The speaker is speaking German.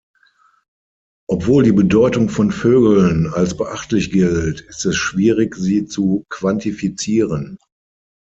Obwohl die Bedeutung von Vögeln als beachtlich gilt, ist es schwierig, sie zu quantifizieren.